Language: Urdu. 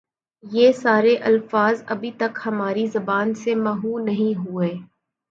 یہ سارے الفاظ ابھی تک ہماری زبان سے محو نہیں ہوئے ۔